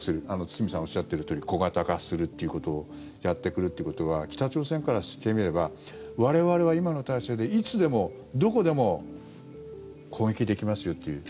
堤さんがおっしゃってるとおり小型化するっていうことをやってくるっていうことは北朝鮮からしてみれば我々は今の体制でいつでも、どこでも攻撃できますよっていう。